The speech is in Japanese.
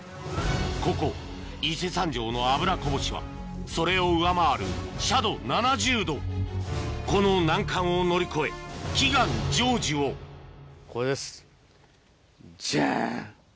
ここ伊勢山上の油こぼしはそれを上回る斜度７０度この難関を乗り越え祈願成就をこれですジャン。